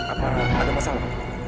apa ada masalah